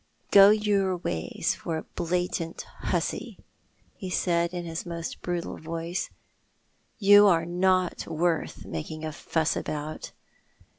" Go your ways for a blatant hussy," he said in his most brutal voice. " You are not worth making a fuss about.